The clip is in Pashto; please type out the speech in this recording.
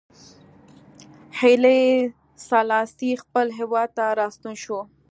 هیلي سلاسي خپل هېواد ته راستون شو.